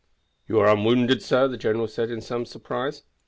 "You are unwounded, sir?" the general said in some surprise.